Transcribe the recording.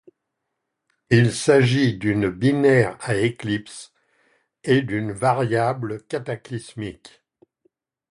Il s'agit d'une binaire à éclipses et d'une variable cataclysmique.